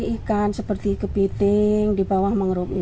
ikan seperti kepiting di bawah mangrove ini